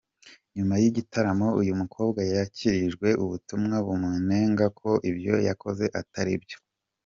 Nyuma y’igitaramo uyu mukobwa yakirijwe ubutumwa bumunenga ko ibyo yakoze atari byo.